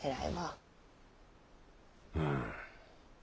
うん。